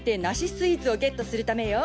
スイーツをゲットするためよ。